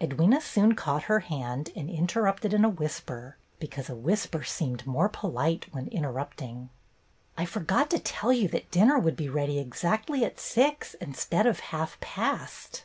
Edwyna soon caught her hand and inter rupted in a whisper, because a whisper seemed more polite when interrupting: "I forgot to tell you that dinner would be ready exactly at six instead of half past."